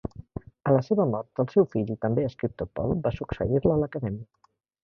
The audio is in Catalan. A la seva mort, el seu fill i també escriptor Paul va succeir-la a l'Acadèmia.